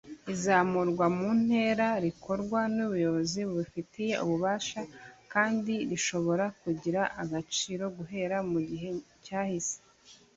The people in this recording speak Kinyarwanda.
Izamurwa mu ntera rikorwa n’umuyobozi ubifitiye ububasha kandi rishobora kugira agaciro guhera mu gihe cyahise